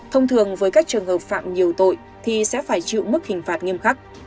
thông thường với các trường hợp phạm nhiều tội thì sẽ phải chịu mức hình phạt nghiêm khắc